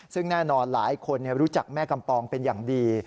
ซึ่งแน่นอนหลายคนรู้จักแม่กำปองเป็นอย่างดี